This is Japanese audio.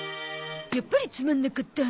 やっぱりつまんなかった。